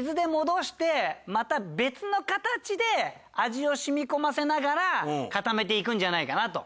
水で戻してまた別の形で味を染み込ませながら固めていくんじゃないかなと。